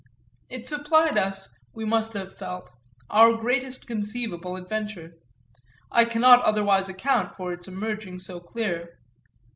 It supplied us, we must have felt, our greatest conceivable adventure I cannot otherwise account for its emerging so clear.